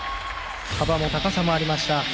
幅も高さもありました。